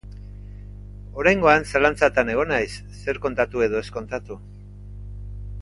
Oraingoan zalantzatan egon naiz zer kontatu edo ez kontatu.